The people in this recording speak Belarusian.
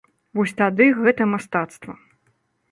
Вось тады гэта мастацтва.